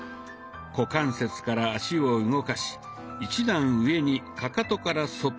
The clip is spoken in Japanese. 股関節から脚を動かし１段上にカカトからそっとのせます。